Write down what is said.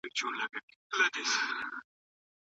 هغه څوک چي هڅه کوي، بريالي کېږي.